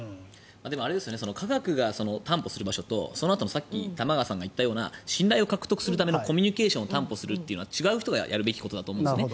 科学が担保する場所とそのあとのさっき玉川さんが言ったような信頼を獲得するためのコミュニケーションを担保するというのは違う人がやるべきことだと思うんですね。